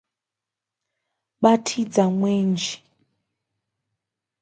He ought to give him a bus pass for a month.